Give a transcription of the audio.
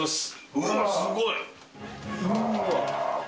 うわー、すごい。